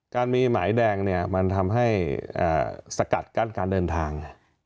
การมีหมายแดงเนี่ยมันทำให้สกัดกั้นการเดินทาง